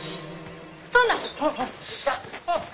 そんな！